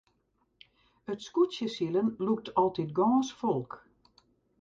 It skûtsjesilen lûkt altyd gâns folk.